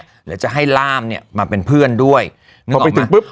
เหรือจะให้ล่ามเนี้ยมาเป็นเพื่อนด้วยนึกออกมะพอไปถึงปึ๊บ